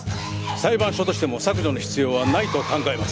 裁判所としても削除の必要はないと考えます。